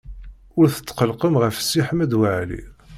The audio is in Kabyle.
Ur tetqellqem ɣef Si Ḥmed Waɛli.